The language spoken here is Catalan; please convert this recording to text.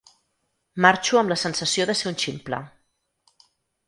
Marxo amb la sensació de ser un ximple.